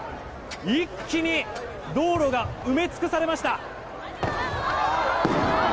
一気に道路が埋め尽くされました。